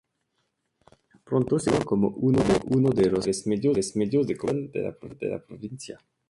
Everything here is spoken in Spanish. Pronto se configuró como uno de los principales medios de comunicación de la provincia.